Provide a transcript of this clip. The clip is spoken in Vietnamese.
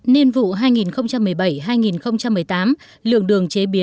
nên vụ hai nghìn một mươi bảy hai nghìn một mươi tám lượng đường chế biến